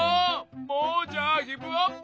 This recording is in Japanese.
もうじゃあギブアップ！